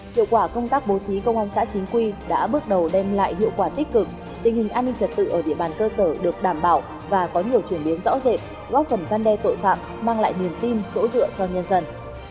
hiệu quả công tác bố trí công an xã chính quy đã bước đầu đem lại hiệu quả tích cực tình hình an ninh trật tự ở địa bàn cơ sở được đảm bảo và có nhiều chuyển biến rõ rệt góp phần gian đe tội phạm mang lại niềm tin chỗ dựa cho nhân dân